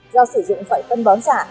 do sử dụng sợi phân bón giả